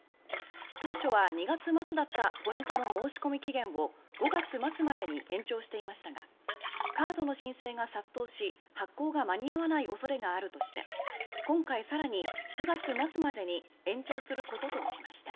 当初は２月末だったポイントの申し込み期限を５月末までに延長していましたがカードの申請が殺到し発行が間に合わない恐れがあるとして今回、更に９月末までに延長することとしました。